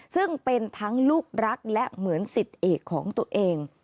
ซึ่งเป็นทั้งลูกรักและเหมือนสิทธิเอกของตัวเอง